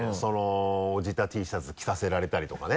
おじたＴシャツ着させられたりとかね。